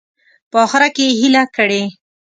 په اخره کې یې هیله کړې.